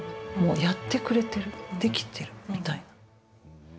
やってくれているできているみたいな。